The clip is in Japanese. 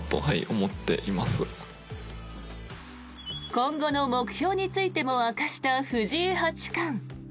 今後の目標についても明かした藤井八冠。